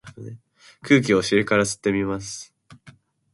空気をお尻から吸ってみます。